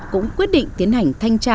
cũng quyết định tiến hành thanh tra